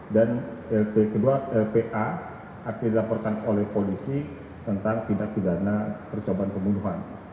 dan lp kedua lpa yang dilaporkan oleh polisi tentang tindak pidana percobaan perlindungan